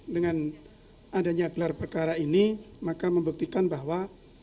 dengan adanya gelar perkara ini maka membuktikan bahwa